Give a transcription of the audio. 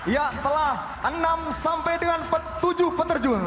ya telah enam sampai dengan tujuh penerjun